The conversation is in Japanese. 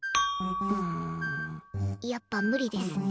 やっぱ無理ですね。